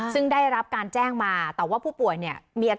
ซึ่งได้รับการแจ้งมาแต่ว่าผู้ป่วยเนี่ยมีอาการ